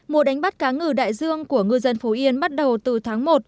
mùa đánh bắt cá ngừ đại dương của ngư dân phú yên bắt đầu từ tháng một